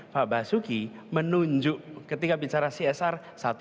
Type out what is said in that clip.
pak basuki menunjuk ketika bicara csr satu dua tiga